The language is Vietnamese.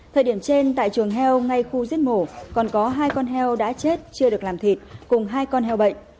thời điểm trên tại trường heo ngay khu giết mổ còn có hai con heo đã chết chưa được làm thịt cùng hai con heo bệnh